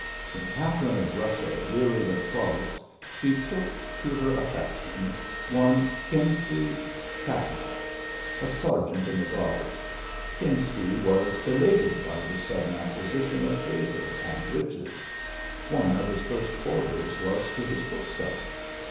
When Catherine of Russia wearied of Koritz she took to her affection one Kimsky Kossakof, a sergeant in the guards. Kimsky was elated by this sudden acquisition of favor and riches. One of his first orders was to his bookseller.